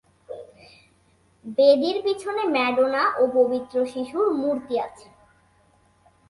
বেদীর পিছনে ম্যাডোনা ও পবিত্র শিশুর মূর্তি আছে।